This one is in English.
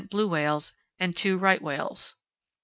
blue whales, and 2 right whales.